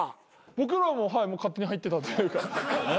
僕らも勝手に入ってたというか。